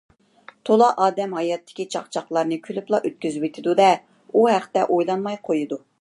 تولا ئادەم ھاياتتىكى چاقچاقلارنى كۈلۈپلا ئۆتكۈزۈۋېتىدۇ ـ دە، ئۇ ھەقتە ئويلانماي قويىدۇ.